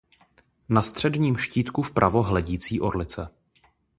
Na středním štítku vpravo hledící orlice.